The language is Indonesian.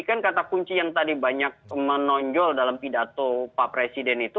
ini kan kata kunci yang tadi banyak menonjol dalam pidato pak presiden itu